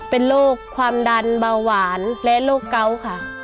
เป็นโรคความดันเบาหวานและโรคเกาค่ะ